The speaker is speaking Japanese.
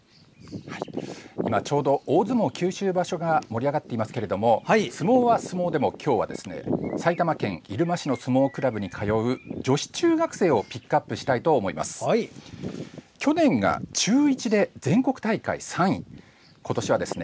今、ちょうど大相撲九州場所が盛り上がっていますが相撲は相撲でも今日はですね埼玉県入間市の相撲クラブに通う女子中学生をピックアップしたいと思います。